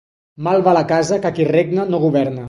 Mal va la casa que qui regna no governa.